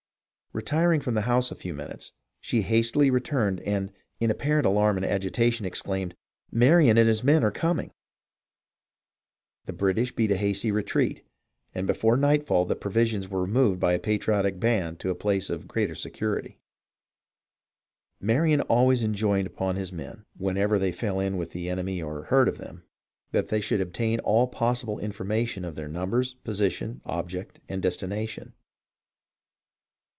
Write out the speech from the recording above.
Retiring from the house a few minutes, she hastily returned and, in apparent alarm and agitation, exclaimed, ' Marion and his 7nen are coming I ' The British beat a hasty retreat, and before nightfall the provisions were removed by a patriotic band to a place of greater security. " Marion always enjoined upon his men, whenever they fell in with the enemy or heard of them, that they should obtain all possible information of their numbers, position, object, and destination.